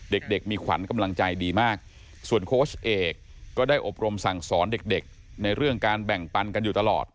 เด็กมีขวัญกำลังใจดีมากส่วนโค้ชเอกก็ได้อบรมสั่งสอนเด็กในเรื่องการแบ่งปันกันอยู่ตลอด